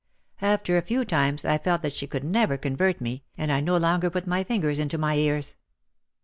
After a few times I felt that she could never convert me and I no longer put my fingers into my ears.